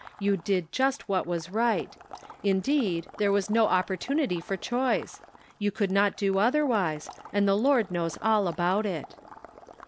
You did just what was right; indeed, there was no opportunity for choice ; you could not do otherwise; and the Lord knows all about it."